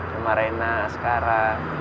sama rena askara